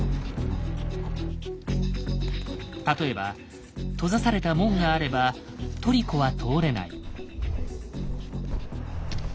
例えば閉ざされた門があればトリコは通れない。